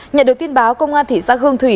nhận được tin báo công an thị xã hương thủy